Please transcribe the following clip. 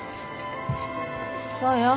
そうよ。